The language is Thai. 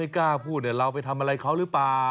ไม่กล้าพูดเดี๋ยวเราไปทำอะไรกับเขาหรือเปล่า